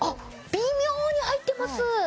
微妙に入ってます。